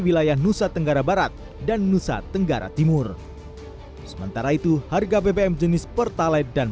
wilayah nusa tenggara barat dan nusa tenggara timur sementara itu harga bbm jenis pertalite dan